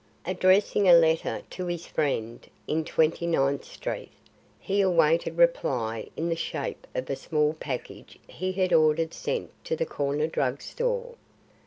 Addressing a letter to his friend in Twenty ninth Street, he awaited reply in the shape of a small package he had ordered sent to the corner drug store.